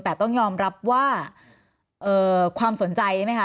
แต่ต้องยอมรับว่าความสนใจใช่ไหมคะ